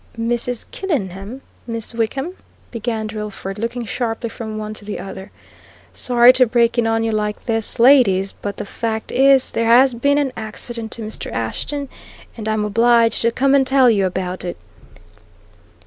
"Mrs. Killenhall? Miss Wickham?" began Drillford, looking sharply from one to the other. "Sorry to break in on you like this, ladies, but the fact is, there has been an accident to Mr. Ashton, and I'm obliged to come and tell you about it."